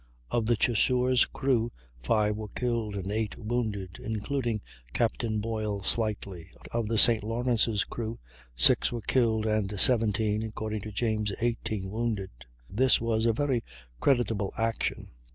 Of the Chasseur's crew 5 were killed and 8 wounded, including Captain Boyle slightly. Of the St. Lawrence's crew 6 were killed and 17 (according to James 18) wounded. This was a very creditable action.